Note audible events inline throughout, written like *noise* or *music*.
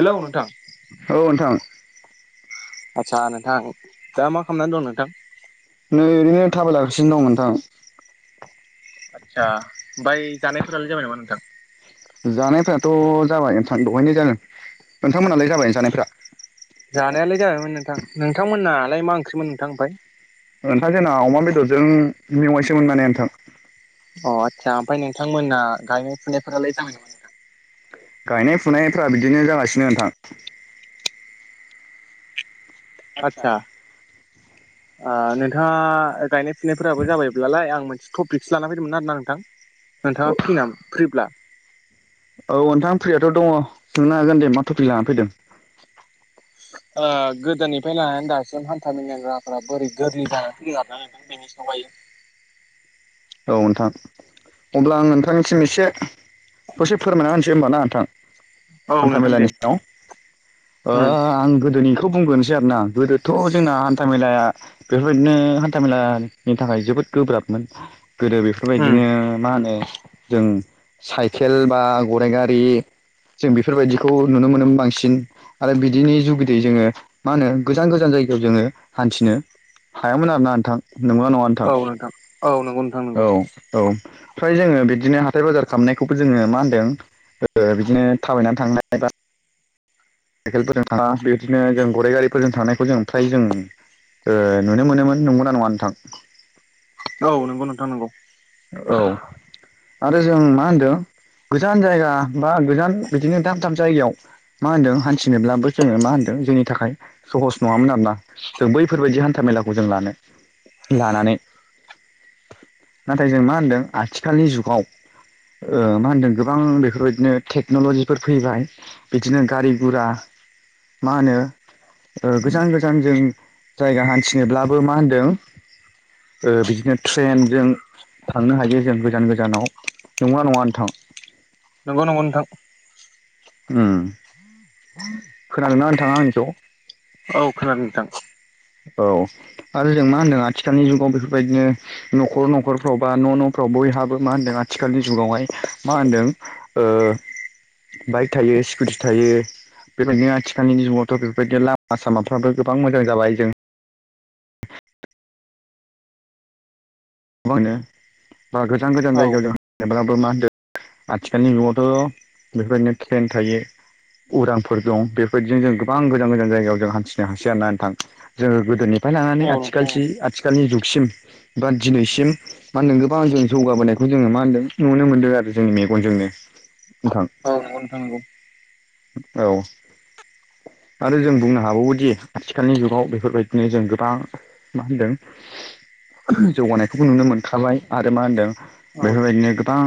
Hello नोंथां औ नोंथां आस्सा नोंथां दा मा खालामनानै दं नोंथां नै ओरैनो थाबाय लागासिनो दं नोंथां आदसा ओमफ्राय जानायफोरालाय जाबाय नामा नोंथां जानायफ्राथ' जाबाय नोंथां दहायनो जानो नोंथांमोन नालाय जाबाय जानायफ्रा जानायालाय जायमोन नोंथां नोंथांमोन नालाय ओंख्रिमोन नोंथां ओमफाय नोंथां जोंना अमा बेदरजों मेवाइसोमोन माने नोंथां अ आदसा ओमफाय नोंथांमोना गायनाय फुनायफोरालाय जाबाय नामा गायनाय फुनायफ्रा बिदिनो जागासिनो नोंथां आदसा ओ नोंथाङा गायनाय फुनायफोराबो जाबायब्लालाय आं मोनसे टपिकसो लाना फैदोंमोन आरो ना नोंथां नोंथाङा फ्रिना फ्रिब्ला औ नोंथां फ्रियाथ' दङ सोंनो हागोन दे मा टफिक लाना फैदों ओ गोदोनिफ्राय लानानै दासिम हान्था मेलानि राहाफ्रा बोरै गोरलै जानानै फैयामोन बेनि सायावहाय औ नोंथां अब्ला आं नोंथांनिसिम एसे दसे फोरमायना होनसै होमबा ना नोंथां औ हान्था नोंथां दे मेलानि सायाव ओ उम आं गोदोनिखो थ' बुंगोनोसै आरोना गोदोथ' जोंना हान्था मेलाया बेफोरबायदिनो हान्था मेलानि थाखाय जोबोद गोब्राबमोन गोदो बे उम फोरबायदिनो मा होनो जों साइकेल बा गराइ गारि जों बेफोरबायदिखौ नुनो मोनो बांसिन आरो बिदिनि जुगिदै जोङो मा होनो गोजान गोजान जायगायाव जोङो हान्थिनो हायामोन आरोना नोंथां नंगौ ना नङा औ नोंथां औ नंगौ नोंथां नंगौ औ औ ओमफ्राय जोङो बिदिनो हाथाय बाजार खालामनायखौबो जोङो मा होनदों गोदो बिदिनो थाबायनानै थांनाय बा साइकेलफोरजों थाङा बेदिनो जों गराइ गारिफोरजों थांनायखौ जों फ्राय जों ओ नुनो मोनोमोन नंगौ ना नङा नोंथां औ नंगौ नोंथां नंगौ औ आरो जों मा होनदों गोजान जायगा बा गोजान बिदिनो दाब दाब जायगायाव मा होनदों हान्थिनोब्लाबो जोङो मा होनदों जोंनि थाखाय सहस नङामोन आरोना जों बैफोरबायदि हान्था मेलाखौ जों लानो लानानै नाथाय जों मा होनदों आथिखालनि जुगाव ओ मा होनदों गोबां बेफोरबायदिनो टेक्न'लजिफोर फैबाय बिदिनो गारि गुरा मा होनो *inaudible* ओ गोजान जों जायगा हान्थिनोब्लाबो मा होनदों ओ बिदिनो ट्रेनजों थांनो हायो जों गोजान गोजानाव नंगौ ना नङा नोंथां नंगौ नंगौ नोंथां उम खोनादोंना नोंथाङा आंनिखौ औ खोनादों नोंथां औ आरो जों मा होनदों आथिखालनि जुगाव बेफोरबायदिनो न'खर न'खरफ्राव बा न' न'फ्राव बयहाबो मा होनदों आथिखालनि जुगावहाय मा होनदों ओ बाइक थायो स्कुटि थायो बेबायदिनो आथिखालनि जुगावथ' बेफोरबायदिनो लामा सामाफ्राबो गोबां मोजां जाबाय जों गोबांनो *unintelligible* गोजान गोजान औ जायगायाव जों जेबो *unintelligible* मा होनदों आथिखालनि जुगावथ' बेफोरबायदिनो ट्रेन थायो उरांफोर दं बेफोरदिजों जों गोबां गोजान गोजान जायगायाव जों हान्थिनो हानो होसै आरो ना नोंथां जोङो गोदोनिफ्राय औ लानानै नोंथां औ। आथिखालसि आथिखालनि जुगसिम बा दिनैसिम मा होनदों गोबां जों जौगाबोनायखौ जोङो मा होनदों नुनो मोन्दों आरो जोंनि मेगनजोंनो ओं थां औ नोंथां नंगौ औ आरो जों बुंनो हाबावोदि आथिखालनि जुगाव बेफोरबायदिनो जों गोबां मा होनदों जौगानाय बे नुनो मोनखाबाय आरो मा होनदों औ। बेफोरबायदिनो गोबां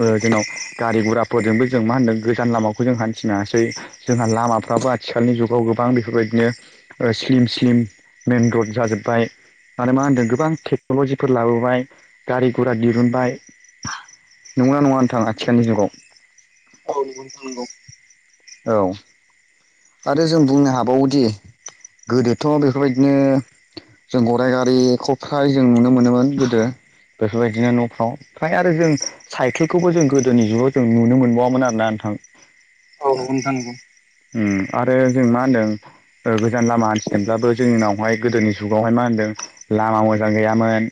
जोंन गारि गुराफोरजोंबो जों मा होनदों गोजान लामाखौ जों हानथिनांङासै जोंहा लामाफ्राबो आथिखालनि जुगाव गोबां बेफोरबायदिनो स्लिम स्लिम मेइेन रड जाजोब्बाय आरोान मा होनदों गोबां टेक्न'लजिफोर लाबोबाय गारि गरा दिरुनबाय नंगौ ना नङा नोंथां आथिखालनि जुगाव औ नोंथान नंगौ औ आरो जों बुंनो हाबावोदि गोदोथ' बेफोरबायदिनो जों गराय गारिखौ फ्राय जों नुनो मोनोमोन गोदो बेफोरबायदिनो न'फ्राव फ्रायानो जों साइकेलखौबो जों गोदोनि जुगाव जों नुनो मोनबावामोन आरो ना नोंथां औ नंगौ नोंथां नंगौ आरो जों मा होनदों गोजान लामा हान्थिदोंब्लाबो जोंनावहाय गोदोनि जुगावहाय मा होनदों लामा मोजां गैयामोन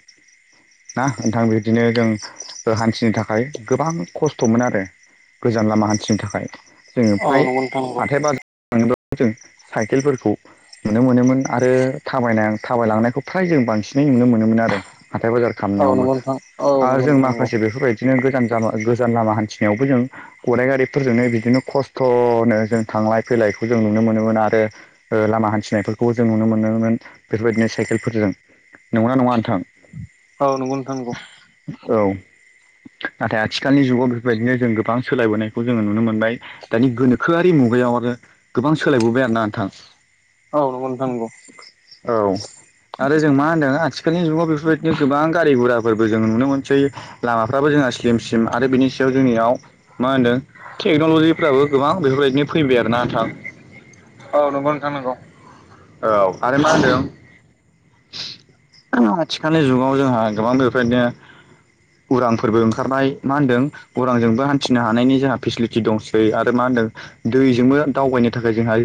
ना नोंथां बिदिनो जों हान्थिनो थाखाय गोबां खस्थ'मोन आरो गोजान लामा हान्थिनो थाखाय जोङो फ्राय नोंथांङा हाथाय बाजार थाङोब्ला जों साइकेलफोरखौ नुनो मोनोमोन आरो थाबायना थाबायलांनायखौ फ्राय जों बांसिनै नुनो मोनोमोन आरो हाथाय बाजार औ खामनायावबो नंगौ नोंथां औ नंगौ आरो जों नोंथां नंगौ माखासे बेफोरबायदि बिदिनो गोजान जा गोजान लामा हान्थिनायावबो जों गराइ गारिफोरजोंनो बिदिनो खस्थ'नो जों थांलाय फैलायखौ जों नुनो मोनोमोन आरो लामा हान्थिनायफोरखौबो जों नुनो मोनोमोन बेफोरबायदिनो साइकेलफोरजों नंगौना नङा नोंथां औ नंगौ नोंथां नांगौ औ नाथाय आथिखालनि जुगाव बेफोरबायदिनो जों गोबां सोलायबोनायखौ जोङो नुनो मोनबाय दानि गोनोखोआ बे मुगायाव आरो गोबां सोलायबोबाय आरो ना नोंथां औ नांगौ नोंथां नंगौ औ आरो जों मा होन्दों आथिखालनि जुगाव बेफोरबायदिनो गोबां गारि गराफोरबो जों नुनो मोनसै लामाफ्राबो जोंहा स्लिम सिम आरो बिनि सायाव जोंनियाव मा होनदों टेक्न'लजिफ्राबो गोबां बेफोरबायदिनो फैबाय आरोना नोंथां औ नंगौ नोंथां नांगौ औ आरो मा होनदों आथिखालनि जुगाव जोंहा गोबां बेबायदिनो उरांफोरबो ओंखारनाय मा होनदों उरांजोंबो हान्थिनो हानायनि जोंहा फेसिलिटि दंसै आरो मा होनदों दैजोंबो दावबायनो थाखाय जोंहा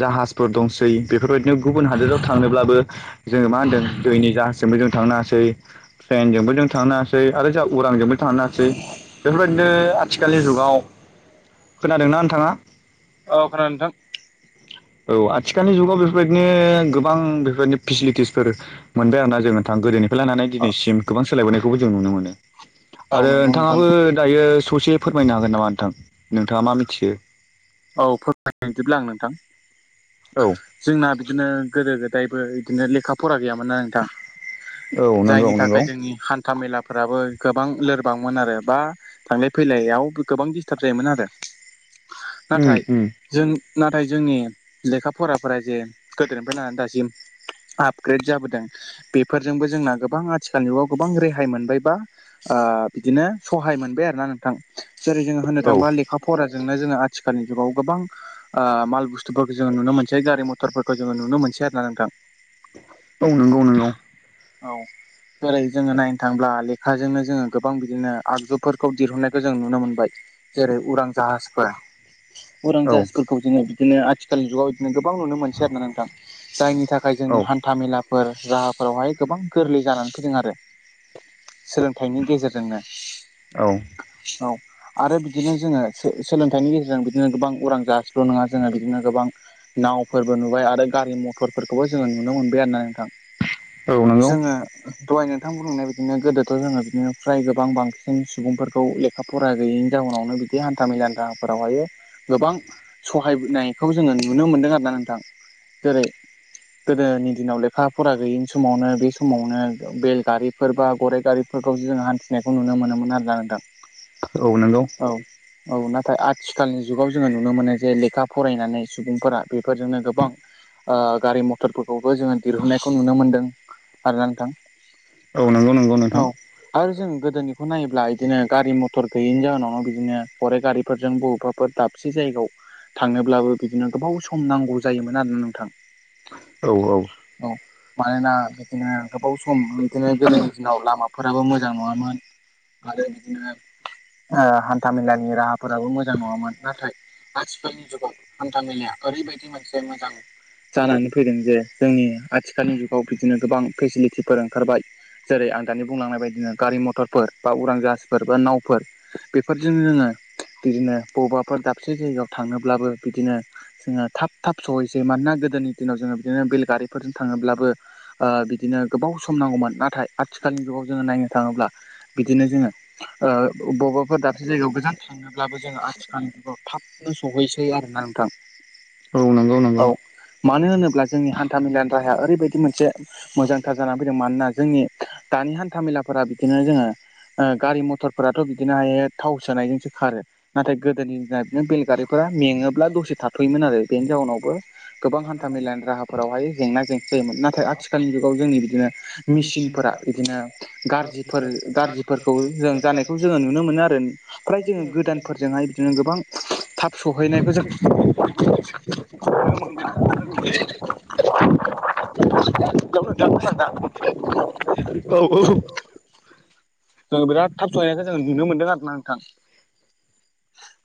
जाहाजफोर दंसै बेफोरबायदिनो गुबुन हादोराव थांनोब्लाबो जोङो मा होनदों दैनि जाहाजजोंबो जों थांनो हासै ट्रेनजोंबो जों थांनो हासै आरो जा उरांजोंबो थांनो हायोसै बेफोरबायदिनो आथिखालनि जुगाव खोनादोंना नोंथाङा औ खोनादों नोंथां औ आथिखालनि जुगाव बेफोरबायदिनो गोबां बेफोरबायदि फेसिलिटिसफोर मोनबाय आरोना जों नोंथां गोदोनिफ्राय लानानै दिनैसिम गोबां सोलायबोनायखौबो जों नुनो मोनो औ आरो नंगौ नोंथां नंगौ। नोंथाङाबो दायो ससे फोरमायनो हागोन नामा नोंथां नोंथाङा मा मिथियो औ फोरमायदिब्ला आं नोंथां औ जोंना बिदिनो गोदो गोदायबो बिदिनो लेखा फरा गैयामोन आं दा औ नंगौ जायनि नंगौ थाखाय जोंनि हा हान्थामेलाफोराबो गोबां लोरबांमोन आरो बा थांलाय फैलायाव गोबां दिडिस्टार्ब जायोमोन आरो उम नाथाय उम जों नाथाय जोंनि लेखा फराफोरा जे गोदोनिफ्राय लानानै दासिम आपग्रेड जाबोदों बेफोरजोंबो जोंना गोबां आथिखाल जुगाव गोबां रेहाय मोनबाय बा आ बिदिनो सहाय मोनबाय आरो ना नोंथां जेरै जोङो होननो औ थाङोबा लेखा फराजोंनो जोङो आथिखालनि जुगाव गोबां माल बुस्थुफोरखौ जोङो नुनो मोनसै गारि मथरफोरखौ जोङो नुनो मोनसै आर ना नोंथां औ नंगौ नोंगौ औ ओरै जोङो नायनो थांब्ला लेखाजोंनो जोङो गोबां बिदिनो आगजुफोरखौ दिहुननायखौ जों नुनो मोनबाय जेरै उरां जाहाजफोरा उरां औ जाहथिफोरखौ जोङो बिदिनो आथिखालनि जुगाव बिदिनो गोबां नुनो मोनसै आरोना नोंथां जायनि थाखाय औ जोंनि हान्था मेला फोर राहाफोरावहाय गोबां गोरलै जानानै फैदों आरो सोलोंथाइनि गेजेरजोंनो औ औ आरो बिदिनो जोङो सोलोंथाइनि गेजेरजों बिदिनो गोबां उरां जासेल' नङा जोङो बिदिनो गोबां नावफोरबो नुबाय आरो गारि मथरफोरखौबो जोङो नुनो मोनबाय आरो ना नोंथां नंगौ औ जोङो नंगौ दहाय नोंथां बुंनाय बिदिनो गोदोथ' जोङो बिदिनो फ्राय गोबां बांसिन सुबुंफोरखौ लेखा फराया गैयैनि जाउनावनो बिदि हानथा मेलाफोरावहायो गोबां सहायनायखौ जोङो नुनो मोनदों आरो ना नोंथां जेरै गोदोनि दिनाव लेखा लेखा फरा गैयिनि समावनो बे समावनो बेलगारिफोर बा गराइ गारिफोर फोरफोरखौ जोङो हानथिनायखौ नुनो मोनोमोन आरोना नोंथां औ नंगौ औ औ नाथाय आथिखालनि जुगाव जोङो नुनो मोनो जे लेखा फरायनानै सुबुंफोरा बेफोरजोंनो गोबां गारि मथरफोरखौबो जोङो दिरहुनायखौ नुनो मोनदों आरोना नोंथां औ नंगौ नंगौ औ नोंथां आरो जों गोदोनिखौ नायोब्ला बिदिनो गारि मथर गैयैनि जाहोनावनो बिदिनो गराय गारिफोरजों बबेबाफोर दाब से जायगायाव थांनोब्लाबो बिदिनो गोबाव सम नांगौ जायोमोन आरोना नोंथां औ औ औ मानना बेदि गोबाव सम बे जोंनाव लामाफोराबो मोजां नङामोन आरो बिदिनो हानथा मेलानि राहा फोराबो मोजां नङामोन नाथाय आथिखालनि जुगाव हान्था मेलाया ओरैबायदि मोनसे मोजां जानानै फैदों जे जोंनि आथिखालनि जुगाव बिदिनो गोबां फेसिलिटिफोर ओंखारबाय जेरै आं दानि बुंलांनाय बायदिनो गारि मथरफोर बा उरां जाहाजफोर बा नावफोर बेफोरजों जोङो बिदिनो बबेबाफोर दाबसे जायगायाव थांनोब्लाबो बिदिनो जोङो थाब थाब सहैसै मानोना गोदोनि दिनाव जोङो बिदिनो बेलगारिफोरजों थाङोब्लाबो बिदिनो गोबाव सम नांगौमोन नाथाय आथिखालनि जुगाव जोङो नायनो थाङोब्ला बिदिनो जोङो ओ आबेबा अबेबाफोर दाबसे जायगायाव गोजान थ थांङोब्लाबो जोंङो आथिखालखौ थाबनो सहैसै आरोना नोंथां औ नंगौ औ नंगौ मानो होनोब्ला जोंनि हानथा मेलानि राहाया ओरैबायदि मोनसे मोजांथार जानानै फैदों मानोना जोंनि दानि हानथा मेलाफोरा बिदिनो जोङो ओ गारि मथरफोराथ' बिदिनो हायो थाव सोनायजोंसो खारो नाथाय गोदोनि जाहा बिदिनो बेलगारिफोरा मेङोब्ला दसे थाथ'योमोन आरो बेनि जाउनावबो गोबां हान्था मेलानि राहाफोरावहाय जेंना जेंसि जायोमोन नाथाय आथिखाल आथि जुगाव जोंनि बिदिनो मेसिनफोरा बिदिनो गाज्रिफोर गाज्रि फोरखौ जों जानायखौ जोंङो नुनो मोनो आरो फ्राय जोंङो गोदानफोरजोंहाय बिदिनो गोबां थाब सहैनायखौ जों *inaudible* औ *unintelligible* जोंङो बिराद थाब सहैनायखाय जोंङो नुनो मोन्दों आरो ना नोंथां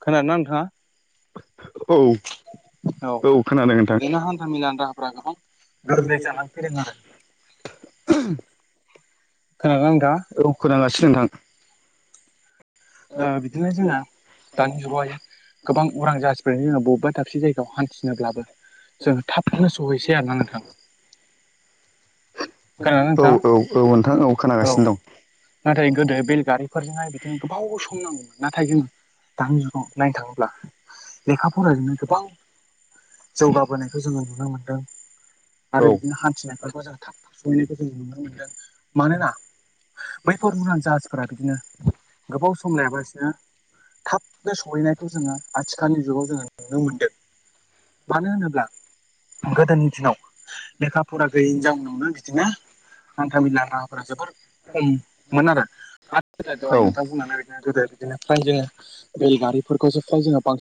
खोनोना नोंथाङा *inaudible* औ औ खोनादों नोंथां बिदिनो हान्था मेलानि राहाफ्रा गोबां गोरलै जानानै फैदों आरो खोनादों ना नोंथां औ खोनांगासिनो नोंथां बिदिनो जोंहा दानि जुगावहाय गोबां उरां जाहास ओमफ्रायनो जोंङो बबेबा दाबसे जायगायाव हान्थिनोब्लाबो जोंङो थाबनो सहैसै आरोना नोंथां खोनादोंना औ नोंथाङा औ औ नोंथां औ खोनागासिनो दं नाथाय गोदो बेल गारिफोरजोंहाय बिदिनो गोबाव सम नांगौ नाथाय जोंङो दानि जुगाव नायनो थांङोब्ला लेखा फराजोंनो गोबां जौगाबोनायखौ जोंङो नुनो मोनदों आरो दं बिदिनो हान्थिनायफोरखौ जों थाब थाब सैनाय जों नुनो मोनदों मानोना बैफोर उरां जाहासफोरा बिदिनो गोबाव सम लायाबा बिसनो थाबनो सहैनायखौ जोंङो आथिखालनि जुगाव जोंङो नुनो मोन्दों मानो होनोब्ला गोदोनि दिनाव लेखा फरा गैयिनि जाउनावनो बिदिनो हान्थाामेला राहाफोरा जोबोर खममोन आरो *unintelligible* औ नोंथां नानै नो गोदो बिदिनो फ्राय जोंङो बेलगारिफोरखौसो फ्राय जों बांसिन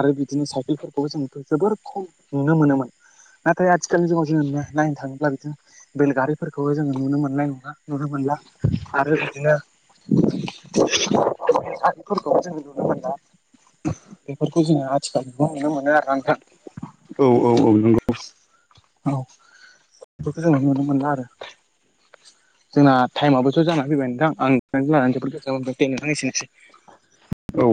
आरो बिदिनो साइकेलफोरखौबो जों जोबोर खम नुनो मोनोमोन नाथाय आथिखालनि जुगाव जोंङो ना नायनो थांङोब्ला बिदिनो बेलगारिफोरखौबो जोंङो नुनो मोननाय नङा नुनो मोनला आरो बिदिनो आगफोरखौबो जोंङो नुनो मोना बेफोरखौ जोंङो आथिखालबो नुनो मोनो आरो आख औ औ औ नंगौ औ बेफोरखौ जोंङो नुनो मोनला आरो जोंना टाइमाबोथ' जाना फैबाय नोंथां आं नोंथांजों रायज्लायनानै जोबोद गोजोननाय मोनबाय एसेनोसै औ